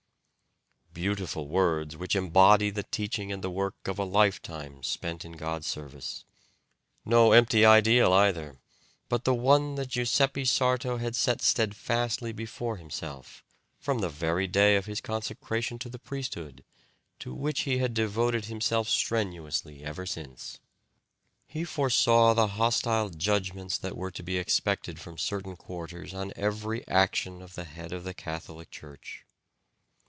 Beautiful words, which embody the teaching and the work of a lifetime spent in God's service. No empty ideal either, but the one that Giuseppe Sarto had set steadfastly before himself from the very day of his consecration to the priesthood, to which he had devoted himself strenuously ever since. He foresaw the hostile judgments that were to be expected from certain quarters on every action of the head of the Catholic Church.